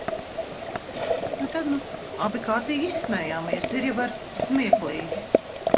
Tad nu abi kārtīgi izsmējāmies, ir jau ar’ smieklīgi.